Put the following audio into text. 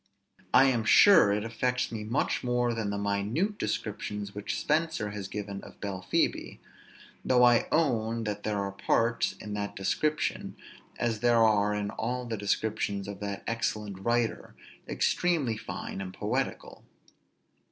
I am sure it affects me much more than the minute description which Spenser has given of Belphebe; though I own that there are parts, in that description, as there are in all the descriptions of that excellent writer, extremely fine and poetical.